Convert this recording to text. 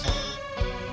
lamadhan telah selesai